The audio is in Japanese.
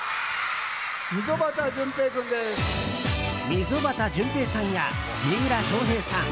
溝端淳平さんや三浦翔平さん